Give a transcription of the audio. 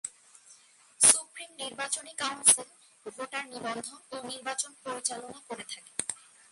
Supreme নির্বাচনী council voter নিবন্ধন ও নির্বাচন পরিচালনা করে থাকে।